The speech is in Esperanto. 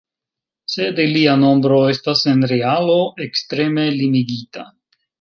Sed ilia nombro estas en realo ekstreme limigita.